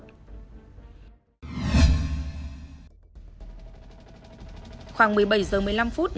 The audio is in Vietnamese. hằng đã cho nhiều người vay tiền với lãi suất từ một trăm một mươi sáu đến một một trăm hai mươi tám